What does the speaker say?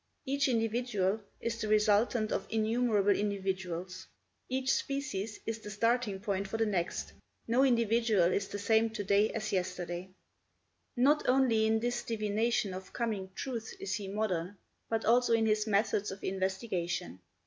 Each individual is the resultant of innumerable individuals. Each species is the Starting point for the next.... No individual is the same to day as yesterday." Not only in this divination of coming truths is he modern, but also in his methods of investigation.